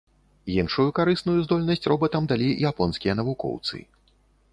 Іншую карысную здольнасць робатам далі японскія навукоўцы.